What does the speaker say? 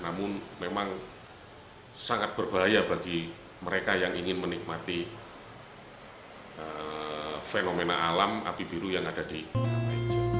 namun memang sangat berbahaya bagi mereka yang ingin menikmati fenomena alam api biru yang ada di